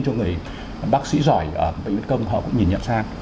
cho người bác sĩ giỏi ở bệnh viện công họ cũng nhìn nhận sang